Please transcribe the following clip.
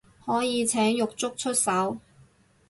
可以請獄卒出手